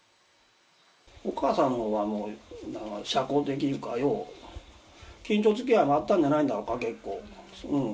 お母さんのほうは社交的いうか、よう近所づきあいもあったんじゃないだろか、結構。